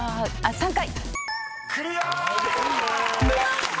３回。